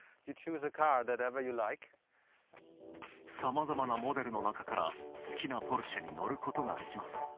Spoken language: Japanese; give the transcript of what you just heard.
さまざまなモデルのなかから好きなポルシェに乗ることができます。